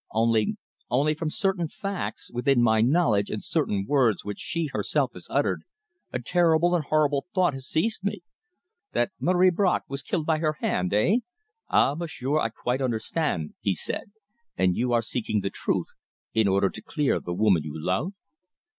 "Only only from certain facts within my knowledge and certain words which she herself has uttered, a terrible and horrible thought has seized me." "That Marie Bracq was killed by her hand eh? Ah, m'sieur, I quite understand," he said. "And you are seeking the truth in order to clear the woman you love?"